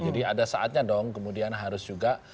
jadi ada saatnya dong kemudian harus juga